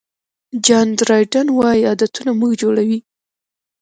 جان ډرایډن وایي عادتونه موږ جوړوي.